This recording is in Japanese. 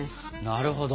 なるほど。